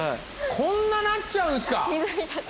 こんななっちゃうんです。